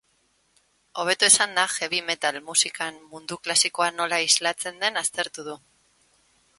Hobeto esanda, heavy metal musikan mundu klasikoa nola islatzen den aztertu du.